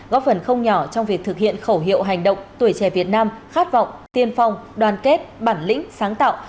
góp phần không nhỏ trong việc thực hiện khẩu hiệu hành động tuổi trẻ việt nam khát vọng tiên phong đoàn kết bản lĩnh sáng tạo